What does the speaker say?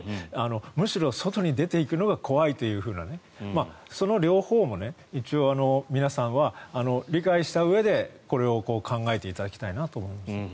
むしろ外に出ていくのが怖いというふうなその両方も一応、皆さんは理解したうえでこれを考えていただきたいなと思います。